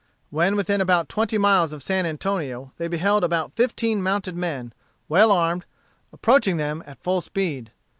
When within about twenty miles of San Antonio, they beheld about fifteen mounted men, well armed, approaching them at full speed.